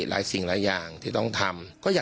หลายสิ่งหลายอย่างที่ต้องทำ